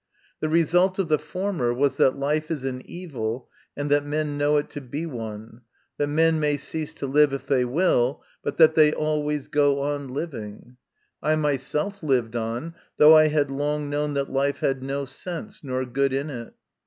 The result of the former was that life is an evil and that men know it to be one, that men may cease to live if they will, but that they always go on living I myself lived on, though I had long known that life had no sense nor good in it.